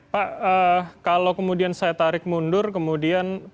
pak kalau kemudian saya tarik mundur kemudian